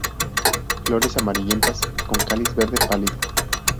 Flores amarillentas con cáliz verde pálido.